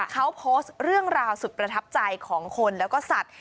เขาโพสต์เรื่องราวสุดประทับใจของคนแล้วก็สัตว์